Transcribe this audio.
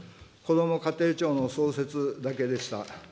こども家庭庁の創設だけでした。